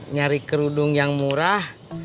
nyari kerudung yang murah